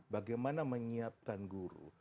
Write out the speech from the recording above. bagaimana menyiapkan guru